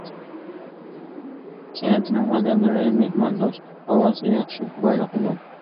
كەنتىنىڭ ئادەملىرى مېھماندوست، ھاۋاسى ياخشى، بايلىقى مول.